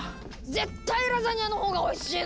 絶対ラザニアの方がおいしいのに！